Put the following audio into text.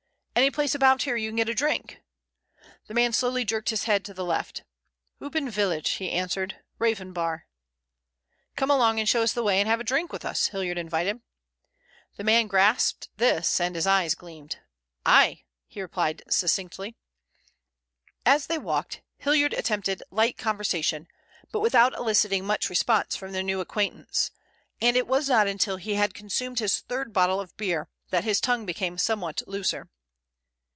"Any place about here you can get a drink?" The man slowly jerked his head to the left. "Oop in village," he answered. "Raven bar." "Come along and show us the way and have a drink with us," Hilliard invited. The man grasped this and his eyes gleamed. "Ay," he replied succinctly. As they walked Hilliard attempted light conversation, but without eliciting much response from their new acquaintance, and it was not until he had consumed his third bottle of beer that his tongue became somewhat looser.